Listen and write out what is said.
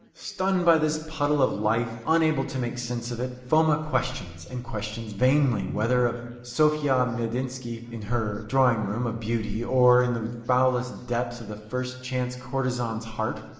Stunned by this puddle of life, unable to make sense of it, Foma questions, and questions vainly, whether of Sofya Medynsky in her drawing room of beauty, or in the foulest depths of the first chance courtesan's heart.